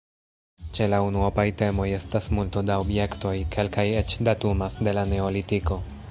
Ĉe la unuopaj temoj estas multo da objektoj; kelkaj eĉ datumas de la neolitiko.